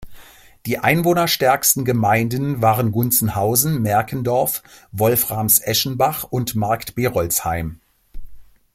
Die einwohnerstärksten Gemeinden waren Gunzenhausen, Merkendorf, Wolframs-Eschenbach und Markt Berolzheim.